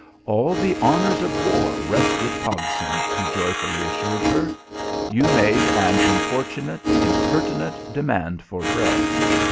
"All the honours of war rest with Pogson," he joyfully assured her. "You made an importunate, impertinent demand for bread.